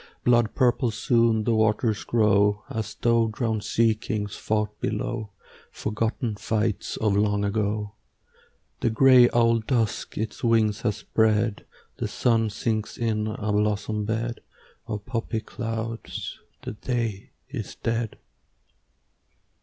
Blood purple soon the waters grow, As though drowned sea kings fought below Forgotten fights of long ago. The gray owl Dusk its wings has spread ; The sun sinks in a blossom bed Of poppy clouds ; the day is dead.